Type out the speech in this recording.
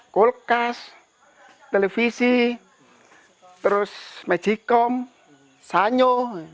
kulkas televisi terus mejikom sanyo